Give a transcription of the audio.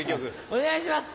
お願いします